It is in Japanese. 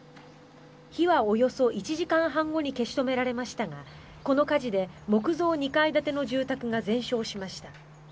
火はおよそ１時間半後に消し止められましたがこの火事で木造２階建ての住宅が全焼しました。